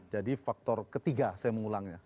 jadi faktor ketiga saya mengulangnya